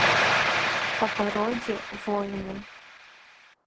По породе воины.